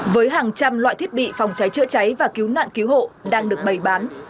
với hàng trăm loại thiết bị phòng cháy chữa cháy và cứu nạn cứu hộ đang được bày bán